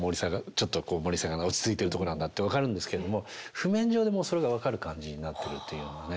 ここが盛り下がる落ち着いてるとこなんだって分かるんですけれども譜面上でそれが分かる感じになってるというようなね。